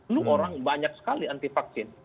lu orang banyak sekali anti vaksin